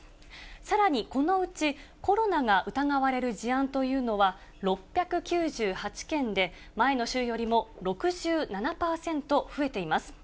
さらにこのうち、コロナが疑われる事案というのは、６９８件で、前の週よりも６７％増えています。